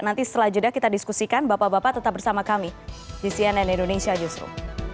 nanti setelah jeda kita diskusikan bapak bapak tetap bersama kami di cnn indonesia justru